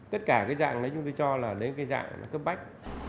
tất cả cái dạng đấy chúng tôi cho là đến cái dạng cấp bách